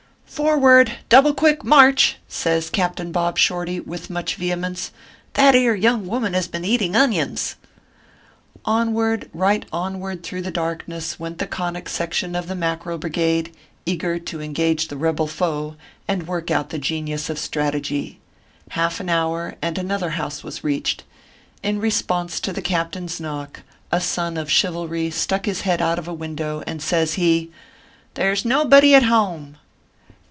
" Forward double quick march !" says Captain Bob Shorty, with much vehemence ;" that ere young woman has been eating onions." " Onward, right onward through the darkness, went the Conic Section of the Mackerel Brigade, eager to engage the rebel foe and work out the genius of strategy. Half an hour, and another house was reached. In response to the captain s knock a son of chivalry stuck his head out of a window, and says he : "There s nobody at home."